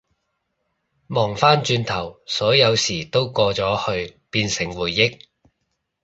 望返轉頭，所有事都過咗去變成回憶